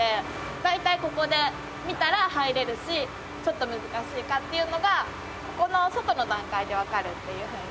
大体ここで見たら入れるし「ちょっと難しいか」っていうのがここの外の段階でわかるっていうふうに。